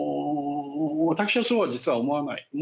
私はそうは実は思わない。